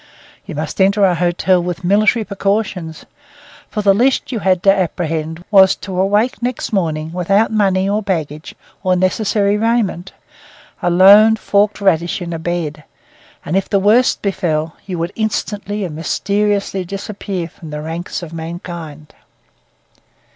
You must enter a hotel with military precautions; for the least you had to apprehend was to awake next morning without money or baggage, or necessary raiment, a lone forked radish in a bed; and if the worst befell, you would instantly and mysteriously disappear from the ranks of mankind.